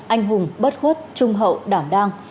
anh hùng bất khuất trung hậu đảm đang